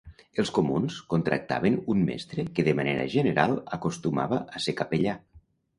Els comuns contractaven un mestre que de manera general acostumava a ser capellà.